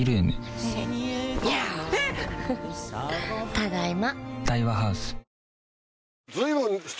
ただいま。